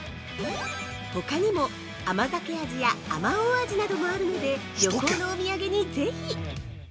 ◆ほかにも、あまざけ味やあまおう味などもあるので旅行のお土産に、ぜひ！